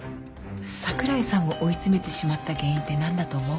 櫻井さんを追い詰めてしまった原因って何だと思う？